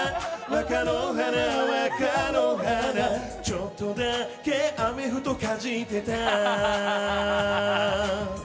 ちょっとだけアメフトかじってた。